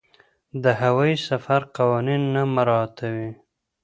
د هوايي سفر قوانین نه مراعاتوي.